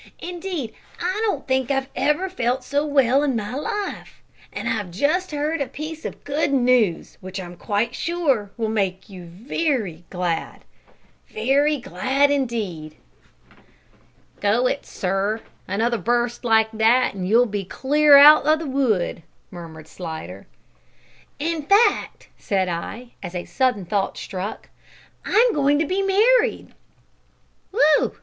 Indeed, I don't think I ever felt so well in my life; and I've just heard a piece of good news, which, I'm quite sure, will make you very glad very glad indeed!" "Go it, sir! Another burst like that and you'll be clear out o' the wood," murmured Slidder. "In fact," said I, as a sudden thought struck, "I'm going to be married!" "Whew!